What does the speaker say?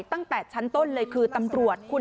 สองสามีภรรยาคู่นี้มีอาชีพ